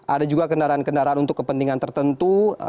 ada juga kendaraan kendaraan untuk kepentingan tertentu